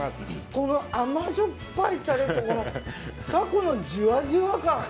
この甘じょっぱいタレとタコのじゅわじゅわ感。